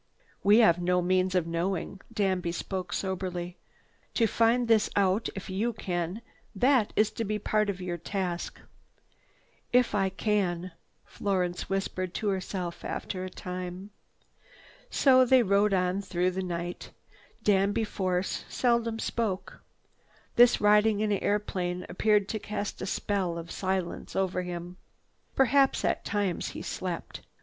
"We have no means of knowing." Danby spoke soberly. "To find this out if you can, this is to be part of your task." "If I can," Florence whispered to herself, after a time. So they rode on through the night. Danby Force seldom spoke. This riding in an airplane appeared to cast a spell of silence over him. Perhaps, at times, he slept.